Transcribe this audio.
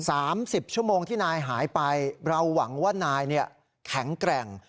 สามสิบชั่วโมงที่นายหายไปเราหวังว่านายเนี่ยแข็งแกร่ง